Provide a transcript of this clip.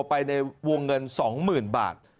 ไปในวงเงิน๒๐๐๐บาท